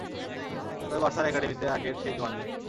তবে বার্সার একাডেমিতে আগের সেই জোয়ার নেই।